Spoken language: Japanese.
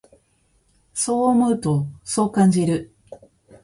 そう思うと、そう感じる。